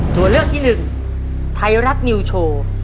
ตัวเลือกที่๑ไทรัตนิวโชว์